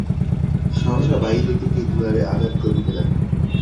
সহসা বাহির হইতে কে দুয়ারে আঘাত করিতে লাগিল।